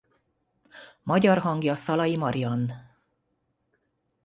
Magyar hangja Szalay Mariann.